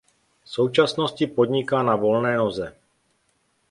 V současnosti podniká na volné noze.